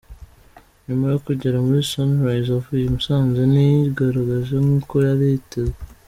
Nyuma yo kugera muri Sunrise avuye I Musanze, ntiyigaragaje nkuko yari yitezwe.